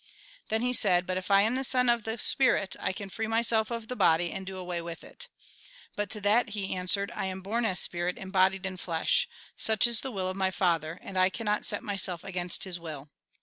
Then he said, " But if I am the Son of the Spirit, I can free myself of the body, and do away with it." But to that he answered, " I am born as spirit, embodied in flesh. Such is the will of my Father, and I cannot set myself against His will."